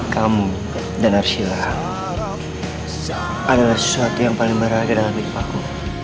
kamu dan arsila adalah sesuatu yang paling bahagia dalam hidup aku